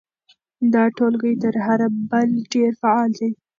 دا ټولګی تر هغه بل ډېر فعال دی.